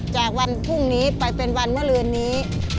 จากวันพรุ่งนี้ไปเป็นวันเมื่อลืนนี้